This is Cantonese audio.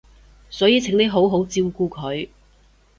所以請你好好照顧佢